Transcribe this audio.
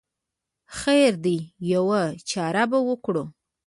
خیر دی یوه چاره به وکړو.